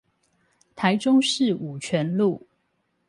台中市五權路